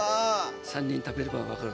３人食べれば分かる。